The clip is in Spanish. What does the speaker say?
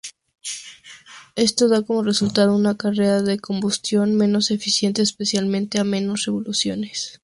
Esto da como resultado una carrera de combustión menos eficiente, especialmente a menos revoluciones.